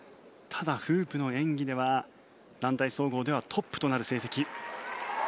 ただ、フープの演技では団体総合ではトップとなる成績。